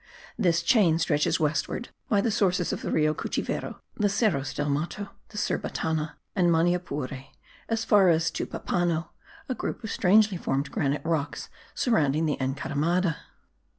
This chain stretches westward by the sources of the Rio Cuchivero, the Cerros del Mato, the Cerbatana and Maniapure, as far as Tepupano, a group of strangely formed granitic rocks surrounding the Encaramada.